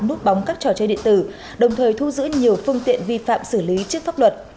núp bóng các trò chơi điện tử đồng thời thu giữ nhiều phương tiện vi phạm xử lý trước pháp luật